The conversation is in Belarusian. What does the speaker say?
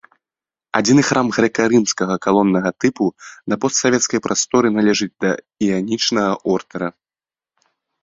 Адзіны храм грэка-рымскага калоннага тыпу на постсавецкай прасторы, належыць да іанічнага ордэра.